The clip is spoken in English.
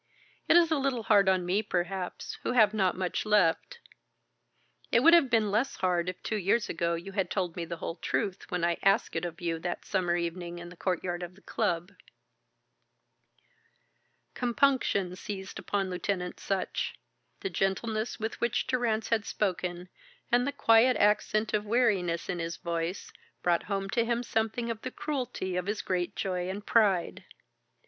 It is a little hard on me, perhaps, who have not much left. It would have been less hard if two years ago you had told me the whole truth, when I asked it of you that summer evening in the courtyard of the club." Compunction seized upon Lieutenant Sutch. The gentleness with which Durrance had spoken, and the quiet accent of weariness in his voice, brought home to him something of the cruelty of his great joy and pride.